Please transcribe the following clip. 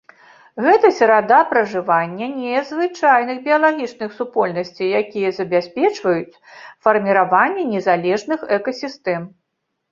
Гэта серада пражывання незвычайных біялагічных супольнасцей, якія забяспечваюць фарміраванне незалежных экасістэм.